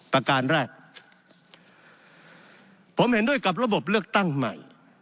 ประการแรกผมเห็นด้วยกับระบบเลือกตั้งใหม่